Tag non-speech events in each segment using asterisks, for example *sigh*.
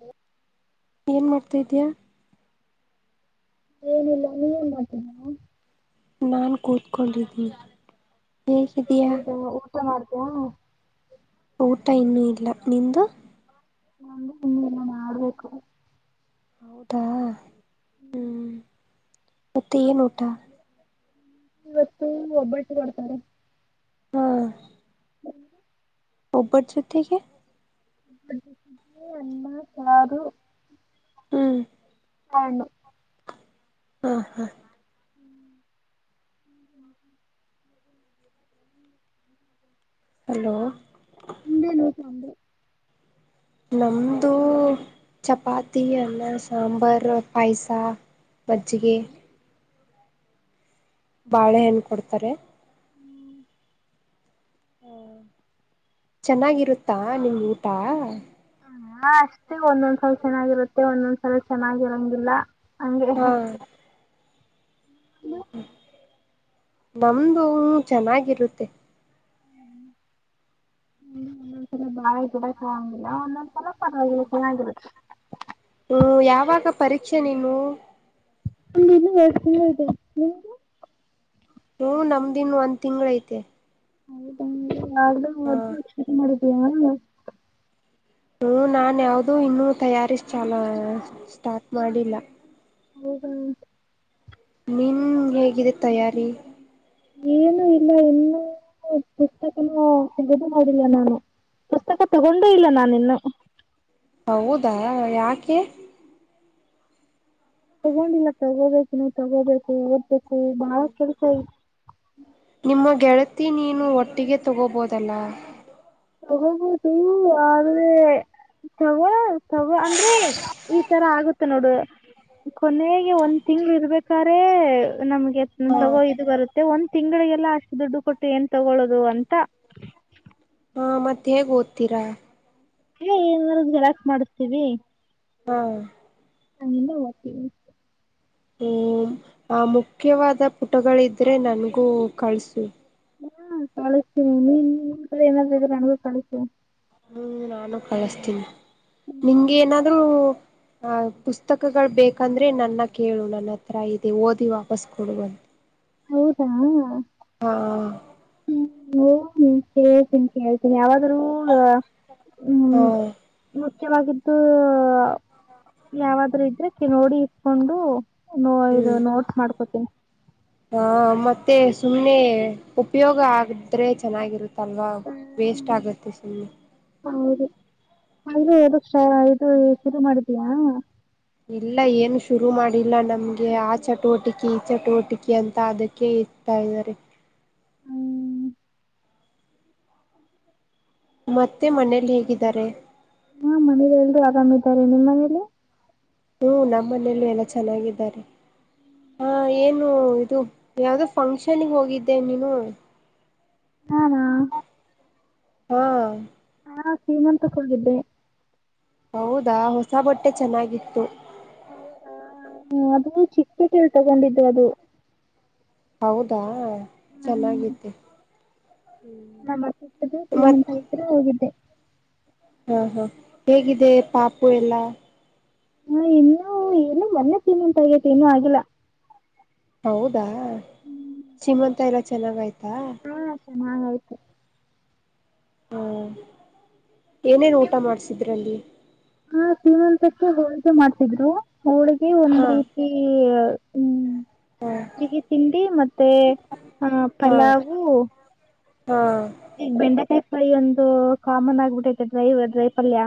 ಹ್ಮ ಏನ್ ಮಾಡ್ತಾ ಇದಿದ್ದೀಯಾ ಏನಿಲ್ಲ ನೀವೇನ್ ಮಾಡ್ತೀ ನಾನ್ ಕೂತ್ಕೊಂಡಿದೀನಿ ಈ ಹಊದ ಊಟ ಮಾಡ್ತೇ ಊಟ ಇನ್ನೂ ಇಲ್ಲ ನಿಂದು ನೆಲ್ಲ ಮಾಡ್ಬೇಕು ಹೌದಾ ಹ್ಮ್ ಮತ್ತೆ ಏನ್ ಊಟ ಇವತ್ತು ಒಬ್ಬಟ್ಟು ಕೊಡ್ತಾರೆ ಹಾ ಒಬ್ಬಡ್ ಜತೆಗೆ ಅಮ್ಮ ಕಾರಾರು ಹ್ಮ *unintelligible* ಹ ಹಾ ಹ್ಮ್ ಹ್ಮ್ ಹ್ಮ್ ಹ್ಮ ಹಲೋ ನಿಂದೇ ನೂ ತಂದೆ ನಮ್ದು ಚಪಾತಿ ಅನ್ನ ಸಾಂಬರ್ ಪಾಯ್ಸ ಮಜ್ಜಿಗೆ ಬಾಳೆ ಹೆಣ ಕೊಡ್ತಾರೆ ಹಾ ಚೆನ್ನಾಗಿರುತ್ತಾ ನಿಮ್ ಊಟ ಹಾ ಅಷ್ಟೇ ಒಂದೊಂದ್ಸಲ ಚೆನ್ನಾಗಿರುತ್ತೆ ಒಂದೊಂದ್ ಸಲ ಚೆನ್ನಾಗಿರಂಗಿಲ್ಲ ಹಾ *unintelligible* *unintelligible* ನಮ್ದು ಚೆನ್ನಾಗಿರುತ್ತೆ ಹ್ಮ್ ಒಂದೊಂದ್ಸಲ ಬಾಳೆ ಗಡಂಗಿಲ್ಲ ಒಂದೊಂದ *unintelligible* ಹ್ಮ ಯಾವಾಗ ಪರೀಕ್ಷೆ ನೀನು ಇ ಇನ್ನು ಬತಿ ನಿಗೆ ಹ್ಮ ನಮ್ದಿನ್ ಒಂದ್ ತಿಂಗ್ಳ ಐತೆ ಹೌದಾ ಯ್ದು ಹ ಮದ ಕ ಮಾಡಿದಯ ಹ ನಾ ಯಾವ್ದೂ ಇನ್ನೂ ತಯಾರಿಸ ಚಾಲ ಸ್ಟಾರ್ಟ್ ಮಾಡಿಲ್ಲ ಹೌದ ನೀನು ಹೇಗಿದೆ ತಯಾರಿ ಏನು ಇಲ್ಲ ಇನ್ನೂ ಪುಸ್ತಕನ ತೆಗೆದು ಮಾಡಿಲ್ಲ ನಾನು ಪುಸ್ತಕ ತಗೊಂಡೇ ಇಲ್ಲ ನಾನ ಇನ್ನು ಹೌದಾ ಯಾಕೆ ತಗೊಂಡಿಲ್ಲ ತಗೋಬೇಕು ನೀಾವವು ತಗೋಬೇಕು ಯತ್ತು ಬಾಳ ಕೆಲಸಯ ನಿಮ್ಮ ಗೆಳತಿ ನೀನು ಒಟ್ಟಿಗೆ ತೊಗೋಬೋದಲ್ಲ ತಗಬೋದು ಆದ್ರೆ ತಗ ತಗ ಅಂದ್ರೆ ಈ ಈ ತರ ಆಗುತ್ತೆ ನೋಡು ಕೊನೆಗೆ ಒಂದ್ ತಿಂಗ್ಗಳು ಇರ್ಬೇಕ್ರೆ ನಮ್ಗೆ ಹ ತಗೋ ಇದು ಬರುತ್ತೆ ಒ ತಿಂಗಳ ಎಲ್ಲಾ ಅಷ್ಟು ದುಡ್ಡು ಕೊಟ್ಟು ಏನ್ ತಗೊಳ್ಳೋದು ಅಂತ ಹಾ ಮತ್ತೆ ಹೇಗ್ ಓದ್ತೀರಾ ಏ ಏನಾರ್ದಲಾಕ್ ಮಾಡ್ತೀವಿ ಹ್ಮ ಹಲ್ಲ ಹೋಗ್ತೀವಿ ಹ್ಮ ಆ ಮುಖ್ಯವಾದ ಪುಟಗಳಿದ್ರೆ ನನ್ಗೂ ಕಳ್ಸು ಹಾ ಕಳಿಸ್ತೀನಿ ನೀನ್ ಏನಾದ್ರರು ಇದ್ರ ನ ಕಳಿಸತೀಿ ಹ್ಮ ನಾನು ಕಳಿಸ್ತೀನಿ ನಿಮ್ಗೆ ಏನಾದರೂ ಆ ಪುಸ್ತಕಗಳು ಬೇಕಂದ್ರೆ ನನ್ನ ಕೇಳು ನನ್ನ ಹತ್ರ ಇದೆ ಓದಿ ವಾಪಸ್ ಕೊಡುುವಂತ ಹೌದಾ ಹಾ ಹ ಹ್ಮ್ ಹೇಳ್ತೀನಿ ಹೇಳ್ತೀನಿ ಯಾವಾದ್ರೂ ಹಾ ಹ್ಮ ಮುಖ್ಯವಾಗಿದ್ದು ಯಾವಾದ್ರೂ ಇದ್ರೆ ನೋಡಿ ಇಟ್ಕೊಂಡು ನೋ ಇದು ಹ್ಮ್ ನೋಟ್ ಮಾಡ್ಕೊತಿ ಹ ಮತ್ತೆ ಸುಮ್ಮ್ನೆ ಉಪಯೋಗ ಆಗದ್ರೆ ಚೆನ್ನಾಗಿರುತ್ತೆ ಅಲ್ವಾ ಹ್ಮ್ ವೇಸ್ಟ್ ಆಗುತ್ತೆ ಸುಮ್ಮನೆ ಇದು ಕ್ಷಷ ಇದು ಶುರು ಮಾಡಿದಯಾ ಇಲ್ಲ ಏನು ಶುರು ಮಾಡಿಲ್ಲ ನಮ್ಗೆ ಆ ಚಟುವಟಿಕೆ ಈ ಚಟುವಟಿಕೆ ಅಂತ ಅದಕ್ಕೆ ಸಿಗ್ತಾ ಇದ್ದಾರೆ ಹ್ಮ್ ಮತ್ತೆ ಮನೇೆಯಲ್ಲಿ ಹೇಗಿದ್ದಾರೆ ಹಾ ಮನೆಲ್ಲರೂ ಆರಾಮ ಇದಾರೆ ನಿಮ್ಮ ಮನೇಲಿ ಹ ನಮ್ಮ ಮನೆಯಲ್ಲೂ ಎಲ್ಲಾ ಚೆನ್ನಾಗಿದ್ದಾರೆ ಹಾ ಏನು ಇದು ಯಾವ್ದೋ ಫಂಕ್ಷನ್ಿಗೆ ಹೋಗಿದ್ದೆ ನೀನು ಹ ಹಾ ಹಾ ಶ್ರೀಮಂತ ಹೋಗಿದ್ದೆ ಹೌದಾ ಹೊಸ ಬಟ್ಟೆ ಚೆನ್ನಾಗಿತ್ತು ಹೌದಾ ಹ್ಮ್ ಅದು ಚಿಕ್ಕಪೇಟೆಯಲ್ಲಿ ತಗೊಂಡಿದ್ದು ಅದು ಹೌದಾ ಚೆನ್ನಾಗತಿ ನಮ್ಮು ಶ್ರೀಮಂತ ಇದ್ರರು ಹೋಗಿದ್ದೆ ಹಾ ಹಾ ಹೇಗಿದೆ ಪಾಪು ಎಲ್ಲ ಹಾ ಇನ್ನುೂ ಏನು ಮೊನ್ನೆ ಸೀಮಂತ ಆಗೇತಿ ಏನು ಆಗಲ್ಲ ಹೌದಾ ಶೀಮಂತ ಎಲ್ಲ ಚೆನ್ನಾಗ ಆಯ್ತಾ ಹಾ ಚೆನ್ನಾಗಯ್ತು ಹಾ ಏನೇನ್ ಊಟ ಮಾಡ್ಸಿದ್ರಲ್ಲಿ ಹಾ ಸ್ರೀಮಂತಕ್ಕೆ ಹೋಳ್ಿಗೆ ಮಾಡ್ತಿದ್ರು ಹೋಳಿಗೆ ಒಂದ್ ಹಾ ರೀತಿ ಹ್ಮ್ ಹಾ ಸಿಗಿ ತಿಂಡಿ ಮತ್ತೆ ಹ ಹಾ ಪಲಾವು್ ಹಾ ಈ ಬೆಂಡೆಕಾಯಿ ಫಾಯಿ ಒಂದು ಕಾಮನ್ ಆಗ್ಬಿಟ್ಟೈತೆ ಡ್ರೈವ ದ್ರೈಫಲ್ಯ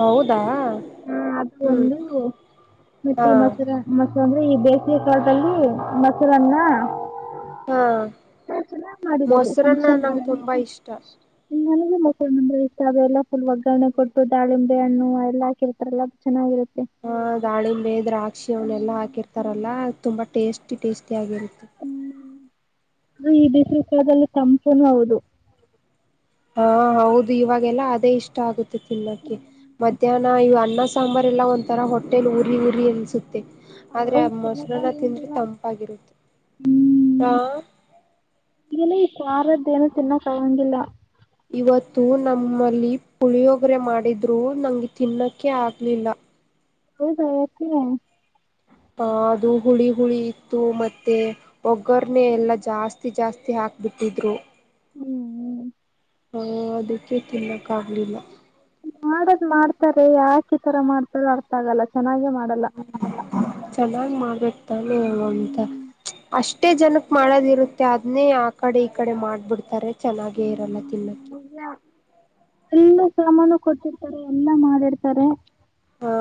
ಹೌದಾ ಹಾ ಅದು ಹ್ಮ್ ಒಂದು ಹಾ ಮತ್ತೆ ಮಸರ ಮಸ ಈ ಬೇಸಿಗೆ ಕಾಲದಲ್ಲಿ ಮೊಸರನ್ನ ಹಾ ಚೆನ್ನಾಗ್ ಮಾಡಿದ್ರು ಮೊಸರನ್ನ ಫಂಕ್ಷನ್ ನಂಗೆ ಹಾಲ್ ಅಲ್ಲಿ ತುಂಬಾ ಇಷ್ಟ ನನಗೂ ಮೊಸರನ್ನ ಇಷ್ಟ ಅದೆ ಎಲ್ಲ ಫುಲ್ ಒಗ್ಗರಣೆ ಕೊಟ್ಟು ದಾಳಿ ಹಣ್ಣು ಎಲ್ಲಾ ಹಾಕೀರತಾರ ಅಲ್ಲಾ ಚೆನ್ನಾಗಿರುತ್ತೆ ಹಾ ದಾಳಿಂಬೆ ದ್ರಾಕ್ಷಿ ಅವನ ಎಲ್ಲಾ ಹಾಕಿರ್ತಾರಲ್ಲ ತುಂಬಾ ಟೇಸ್ಟಿ ಟೇಸ್ಟಿ ತ್ಯಾಗಿರುತ್ತೆ ಅ ಈ ಬಿಸ ಕಾಲದಲ್ಲಿ ಸಂಪೂರ್ಣ ಹೌದು ಹಾ ಹೌದು ಇವಾಗೆಲ್ಲ ಅದೇ ಇಷ್ಟ ಆಗುತ್ತೆ ತಿನ್ನೋಕ್ಕೆ ಮಧ್ಯಾಹ್ನ ಅನ್ನ ಸಾಂಬಾರ್ ಎಲ್ಲ ಒಂಥರ ಹೋಟೆಲ್ ಊಲಿ ಊರಿ ಎಲ್ಲಿ ಸುತ್ತ ಆದ್ರೆ ಆ ಹೌದು ಮೊಸರನ ತಿಂದ್ರೆ ತಿನ್ನಕ್ಕಾಗಂಗಿಲ್ಲ. ತಂಪಾಗಿರುತ್ತೆ ಹ್ಮ್ ಹಾ ಸಾರದ ಏನು ತಿನ್ನೋಕ್ಗಂಗಿಲ್ಲ ಇವತ್ತು ನಮ್ಮಲ್ಲಿ ಪುಳಿಯೊೋಗರೆ ಮಾಡಿದ್ರೂ ನಂಗೆ ತಿನ್ನೋಕ್ಕೆ ಆಗ್ಲಿಲ್ಲ ಹೌದಾ *unintelligible* ಹ ಅದು ಹುಳಿ ಹುಳಿ ಇತ್ತು ಮತ್ತೆ ಒಗ್ಗರನೆೇ ಎಲ್ಲಾ ಜಾಸ್ತಿ ಜಾಸ್ತಿ ಹಾಕ್ ಬಿಟ್ಟಿದ್ರು ಹ್ಮ್ ಹ್ಮ್ ಹ ಅದಕ್ಕೆ ತಿನ್ನಕ್ಕ ಆಗ್ಲಿಲ್ಲ ಮಾಡದ್ ಮಾಡ್ತಾರೆ ಯಾಕೆ ಇತರ ಮಾಡ್ತಾರೂ ಅರ್ಥ ಆಗಲ್ಲ ಚೆನ್ನಾಗೆ ಮಾಡಲ್ಲ. ಚನ್ನಾಗ್ ಮಾಡಬೇಕ ತಾನೆ ಅಂತ ಹ್ಮ್ ಅಷ್ಟೇ ಜನಕ್ ಮಾಡೋದಿರುತ್ತೆ ಅದನ್ನೇ ಆ ಕಡೆ ಈ ಕಡೆ ಮಾಡ್ಬಿಡ್ತಾರೆ ಚೆನ್ನಾಗೇ ಇರಲ್ಲ ಹ್ಮ್. ತಿನ್ನಕ್ಕೆ ಇಲ್ಲ. ಎಲ್ಲ ಸಾಮಾನು ಕೊಟ್ಟಿರ್ತಾರೆ ಎಲ್ಲಾ ಮಾಡಿಡ್ತಾರೆ ಹಾ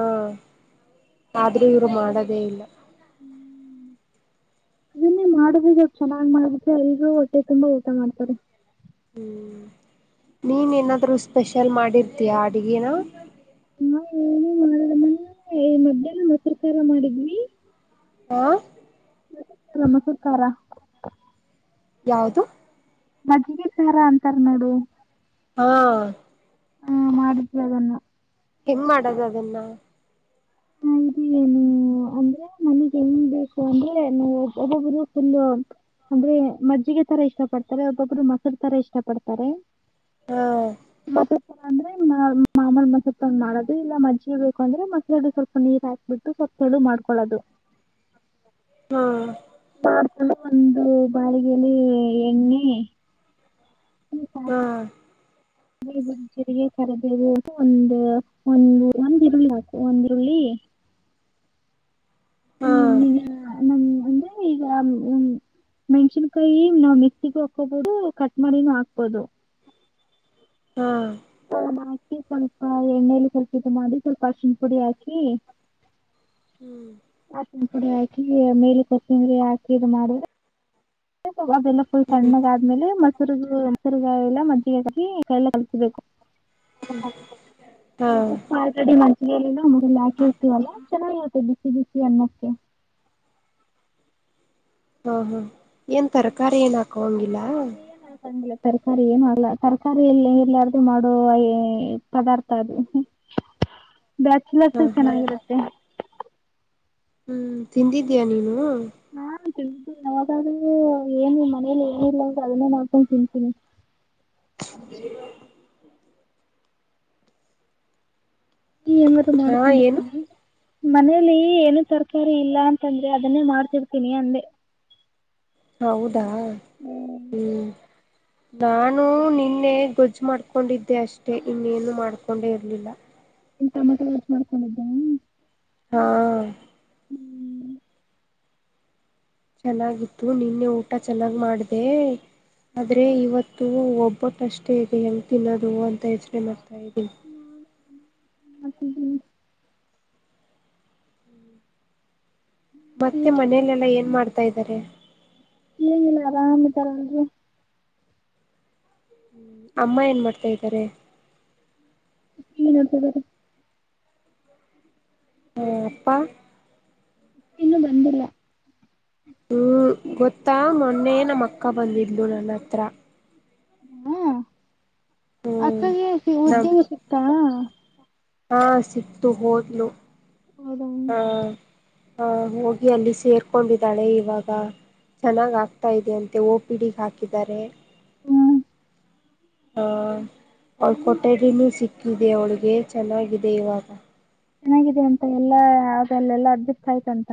ಆದ್ರೂ ಇವ್ರು ಮಾಡೋದೇ ಇಲ್ಲ ಅದನ್ನೇ ಮಾಡುದಗ ಚೆನ್ನಾಗ್ ಮಾಡಿದ್ರೆ ಎಲ್ಲರೂ ಹೊಟ್ಟೆ ತುಂಬಾ ಊಟ ಮಾಡ್ತಾರೆ ಹ್ಮ್ ನೀನ್ ಏನಾದ್ರು ಸ್ಪೆಷಲ್ ಮಾಡಿರ್ತೀಯಾ ಅಡ್ಗನ ನಾವ ಏನ ಮಾಡಲ್ಲ ಈ ಮಧ್ಯಾಹ್ನ ಮೊಸರುಕಾರ ಮಾಡಿದ್ವಿ ಹ ಮಸುರಕಾರ ಮೊಸರು ಕಾರ ಯಾವದು ಮಜ್ಜಿಗೆ ತಾರ ಅಂತಾರ ನೋಡು ಹಾ ಹಾ ಮಾಡಿದ್ವಿ ಅದನ್ನ ಹೆಂಗ್ ಮಾಡದ ಅದನ್ನ ಆ, ಏನು ಅಂದ್ರೆ ನನಗ್ ಎಂಗ ಬೇಕು ಅಂದ್ರೆ ಒಬ್ಬ ಒಬ್ಬರು ಫುಲ್ ಅಂದ್ರೆ ಮಜ್ಜಿಗೆ ತರ ಇಷ್ಟ ಪಡ್ತಾರೆ ಒಬ್ಬೊಬ್ರು ಮೊಸರು ತರ ಇಷ್ಟ ಪಡ್ತಾರೆ ಹಾ ಅಂದ್ರೆ ಮಾಮೂಲಿ ಮೊಸರ ತೊಗೂಂಡ್ ಮಾಡೋದು ಇಲ್ಲ ಮಜ್ಜಿಗೆ ಬೇಕ ಅಂದ್ರೆ ಮಸರಲ್ಲಿ ಸ್ವಲ್ಪ ನೀರ್ ಹಾಕಿ ಬಿಟ್ಟು ಕೊತ್ತಳು ಮಾಡ್ಕೊಳ್ಳೋದು ಹಾ ಮಾಡ್ಕೊಂಡು ಒಂದು ಬಾಳಿಗೆಲಿ ಎಣ್ಣಿ ಹಾ ಚರಿಗೆ ಕರಬೇ ಒಂದ ಒಂದು ಒಂದ್ ಈರುಳ್ಳಿ ಹಾಕು ಒಂದ್ ಈರುಳ್ಳಿ ಹಾ ಹ್ಮ ನ *unintelligible* ಅಂದ್ರೆ ಈಗ ಹ್ಮ ಮೆಣ್ಸಿನ್ಕಾಯಿ ನಾವ್ ಮಿಕ್ಸಿಗ ಹಾಕೋಬಹದು ಕಟ್ ಮಾಡಿನೂ ಹಾಕ್ಬೋದು ಹಾ ಹಾಕಿ ಸ್ವಲ್ಪ ಎಣ್ಣೆಲಿ ಸ್ವಲ್ಪ ಇದ ಮಾಡಿ ಸ್ವಲ್ಪ ಅರಶಿನ ಪುಡಿ ಹಾಕಿ ಹ್ಮ್ ಅರ್ಶಿಣ ಪುಡಿ ಹಾಕಿ ಮೇಲೆ ಕೊತಂಬರಿ ಹಾಕಿ ಇದ ಮಾಡಿದ್ರ ಅದೆಲ್ಲಾ ಫುಲ್ ಹ್ಮ್ ತಣ್ಣಾಗ ಆದ್ಮೇಲೆ ಮತ್ತೆ ಮರುಗುಸರ್ಗ ಎಲ್ಲ ಮಜ್ಜಿಗೆ ಹಾಕಿ ಕಲ್ಲ ಕಲಿಸಬೇಕು ಹ್ಮ ಎ ಮುಲ್ಲ ಹಾಕಿ ಇರ್ತೀವಲ್ಲಾ ಚೆನ್ನಾಗಿತ ಸಿಿಸಿ ಅನ್ನಕೆ ಹಾ ಹಾ ಏನ್ ತರಕಾರಿ ಏನ ಹಾಕೋಂಗಿಲ್ಲ ಏನು ತರಕಾರಿ ಏನ ಆಗ್ಲ ತರಕಾರಿ ಎಲ್ಲ ಎಲ್ಲಯಾರ್ದು ಮಾಡುವ ಪದಾರ್ಥ ಅದು ಬ್ಯಾಚ್ಲರಸಗ ಹಾ ಚೆನ್ನಾಗಿರುತ್ತೆ ಹ್ಮ್ ತಿಂದಿದ್ದೀಯ ನೀನು ತಿಂತಿನಿ ಯಾವಾಗದರೂ ಏನು ಮನೇಲಿ ಏನಿರ್ಲ ಅಂದ ಅದನ್ನೇ ಮಾಡ್ಕೊಂಡ್ ತಿಂತೀನಿ *unintelligible* ಏನದು ಹಾ ಏನು ಮಾಡ್ಕೊಂಡಿದಿಯಾ ಮನೇಲಿ ಏನು ತರಕಾರಿ ಇಲ್ಲ ಅಂತಂದ್ರೆ ಅದನ್ನೇ ಮಾಡ್ತಿರ್ತೀನಿ ಅಂದೆ ಹೌದಾ ಹ್ಮ್ ನಾನು ನಿನ್ನೆ ಗೊಜ್ಜು ಮಾಡ್ಕೊಂಡಿದ್ದೆ ಅಷ್ಟೆ ಇನ್ನೇನು ಮಾಡ್ಕೊಂಡೆ ಇರ್ಲಿಲ್ಲ ಟಮಾಟೆ ಎ ಎಷ್ಟ ಮಾಡ್ಕೊಂಡಿದ್ದೇ ಹಾ ಚೆನ್ನಾಗಿತ್ತು ನಿನ್ನೆ ಊಟ ಚೆನ್ನಾಗ್ ಮಾಡ್ದೆ ಆದ್ರೆ ಇವತ್ತು ಒಬ್ಬಟ್ಟಷ್ಟೇ ಇದೆ ಹೆಾವ ತಿನ್ನೋದು ಅಂತ ಯಚರಿ ಮಾಡ್ತಾ ಇದ್ದೀನಿ ಮತ್ತ ಮತ್ತೆ ಮನೇಲೆಲ್ಲಾ ಏನ್ ಮಾಡ್ತಾ ಇದ್ದಾರೆ ಇ ಇಲ್ಲ ಆರಾಮ್ಿತಾರ ಅಲ್ರಿ ಅಮ್ಮ ಏನ್ ಮಾಡ್ತಾ ಇದ್ದಾರೆ ೀನ ಬ ಬ ಪ್ಪ ಇನ್ನುೂ ಬಂದಿಲ್ಲ ಹ್ಮ್ ಗೊತ್ತಾ ಮೊನ್ನೆ ನಮ್ಮ ಅಕ್ಕ ಬಂದಿದ್ಲು ನನ್ನ ಹತ್ರ ಹಾ ಹ್ಮ್ ಅಕ್ಕಗೆ ನಮ್ ಉದ್ಯೋಗ ಸಿಗ್ತ ಹಾ ಸಿಕ್ತು ಹೋದ್ಲು ಹೌದ ಹಾ ಹೋಗಿ ಅಲ್ಲಿ ಸೇರ್ಕೊಂಡಿದ್ದಾಳೆ ಇವಾಗ ಚೆನ್ನಾಗ್ ಆಾಕ್ತಾ ಇದೆ ಅಂತೆ ಓ ಪಿ ಡಿಗ್ ಹಾಕಿದ್ದಾರೆ ಹ್ಮ ಹ ಅವಳ ಕೊಟರಿನೂ ಸಿಕ್ಕಿದೆ ಅವಳಿಗೆ ಚೆನ್ನಾಗಿದೆ ಇವಾಗ ಚೆನ್ನಾಗಿದೆ ಅಂತ ಎಲ್ಲಾ ಆ ಎಲ್ಲ ಎಲ್ಲ ಅರ್ಜಿಕ್ ಕಾಯ್ತಂತ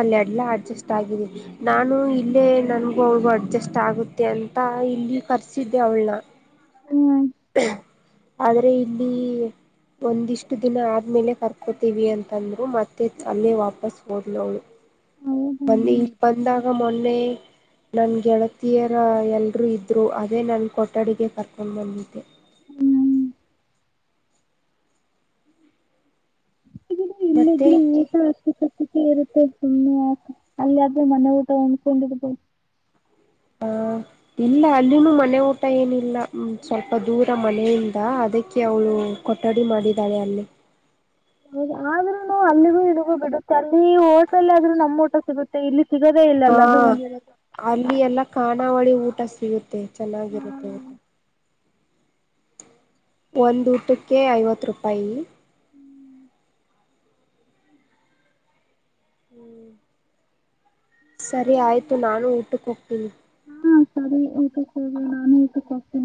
ಅಲ್ಲಿಡ್ಲ್ಲ ಅಡ್ಜಸ್ಟ್ ಆಗಿದೆ ನಾನು ಇಲ್ಲೇ ನನ್ಗು ಹಬ ಅಡ್ಜಸ್ಟ್ ಆಗುತ್ತೆ ಅಂತ ಇಲ್ಲಿ ಕರ್ಸಿದ್ದೆ ಅವಳನ ಹ್ಮ್ ಆದ್ರೆ ಇಲ್ಲಿ ಒಂದಿಷ್ಟು ದಿನ ಆದ್ಮೇಲೆ ಕರ್ಕೋತೀವಿ ಅಂತಂದ್ರು ಮತ್ತೆ ಅಲ್ಲೇ ವಾಪಸ್ ಹೋದ್ಲುವಳು ಹೌದಾ ಬನ್ನಿ ಈ ಬಂದಾಗ ಮೊನ್ನೆ ನನ್ ಗೆಳತಿಯರ ಎಲ್ರುೂ ಇದ್ರು ಅದೇ ನನ್ ಕೊಠಡಿಗೆ ಪರ್ಕೊ್ ಬಂದಿದ್ದೆ ಹ್ಮ್ ಹ್ಮ ಹ ಇಲ್ಲ ಮತ್ತೆ ಇದ್ೂ ನೀ ಆ ಅಿಕ ಇರುತ್ತೆ ಸುಮ್ಮ ಅಲ್ಲಿಾದ್ರೂ ಮನೆ ಊಟ ಉಂದ್ಕೊಂಡಿರ್ಬೋದು ಹ ಇಲ್ಲ ಅಲ್ಲಿನ ಮನೆ ಊಟ ಏನಿಲ್ಲ ಸ್ವಲ್ಪ ದೂರ ಮನೆಯಿಂದ ಅದ ಕ ಅವಳು ಕೊಠಡಿ ಮಾಡಿದ್ದಾಳೆ ಅಲ್ಲಿ ಹ ಆದ್ರೂ ನ ಅಲ್ಲಿಗೂ ಇದಗೂ ಬಿಡುತ್ತೆ ಅಲ್ಲಿ ಓಟಲ್ ಆದ್ರೂ ನಮ್ ಊಟ ಸಿಗುತ್ತೆ ಇಲ್ಲಿ ಸಿಗೋದೇ ಹಾ ಇಲ್ಲಲ್ಲ ಅದು ಒಂದಿರುತ್ತೆ ಅಲ್ಲಿ ಎಲ್ಲ ಕಖಾನಾವಳಿ ಊಟ ಸಿಗುತ್ತೆ ಹಾ ಚೆನ್ನಾಗಿರುತ್ತೆ ಊಟ ಒಂದು ಊಟಕ್ಕೆ ಐವತ್ತು ರೂಪಾಯಿ ಹ್ಮ್ ಸರಿ ಆಯ್ತು ನಾನು ಊಟಕ್ಕೆ ಹೋಗ್ತೀನಿ ತೇ ಟ ಕೊವೆ ನಾನು ಟ ಕೊಬ